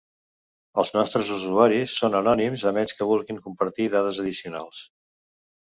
Els nostres usuaris són anònims a menys que vulguin compartir dades addicionals.